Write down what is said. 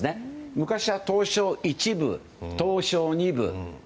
昔は東証１部東証２部。